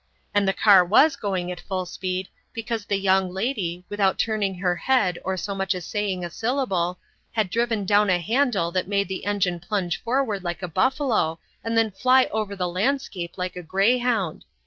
And the car was going at full speed, because the young lady, without turning her head or so much as saying a syllable, had driven down a handle that made the machine plunge forward like a buffalo and then fly over the landscape like a greyhound.